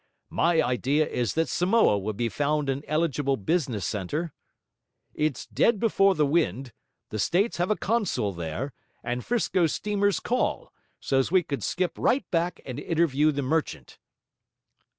My idea is that Samoa would be found an eligible business centre. It's dead before the wind; the States have a consul there, and 'Frisco steamers call, so's we could skip right back and interview the merchant.'